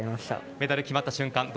メダル決まった瞬間